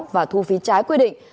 và thu phí trái quy định